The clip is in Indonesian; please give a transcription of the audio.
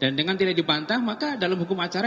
dan dengan tidak dibantah maka dalam hukum acara